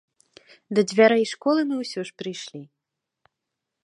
Да дзвярэй школы мы ўсё ж прыйшлі.